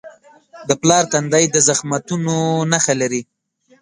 د پلار تندی د زحمتونو نښه لري.